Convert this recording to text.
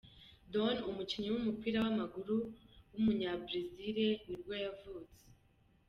Doni, umukinnyi w’umupira w’amaguru w’umunyabrazil nibwo yavutse.